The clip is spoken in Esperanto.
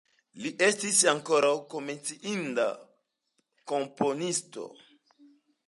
Li estis ankaŭ menciinda komponisto.